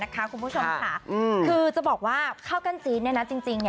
คือจะบอกว่าจริง